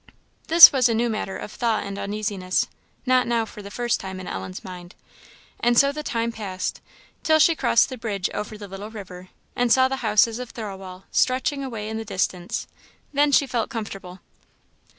This was a new matter of thought and uneasiness, not now for the first time, in Ellen's mind; and so the time passed, till she crossed the bridge over the little river, and saw the houses of Thirlwall stretching away in the distance. Then she felt comfortable.